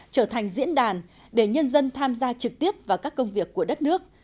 trở thành diễn đàn để nhân dân tham gia trực tiếp vào các công việc của đất nước